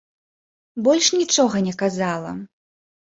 Больш нічога не казала.